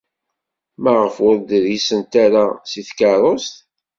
Maɣef ur d-risent ara seg tkeṛṛust?